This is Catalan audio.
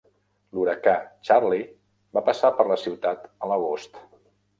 L'huracà Charley va passar per la ciutat a l'agost.